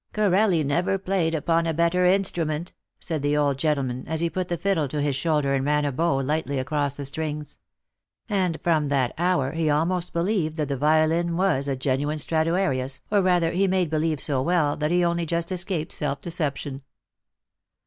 " Corelli never played upon a better instrument," said the old gentleman us he put the fiddle to his shoulder and ran a bow lightly across the strings. And from that hour he almost believed that the violin was a genuine Straduarius, or rather he made believe so well that he only just escaped self deception.